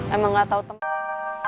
emang gak tau temennya